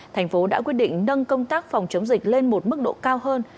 thành phố đã quyết định nâng công tác phòng chống dịch lên một mức độ cao hơn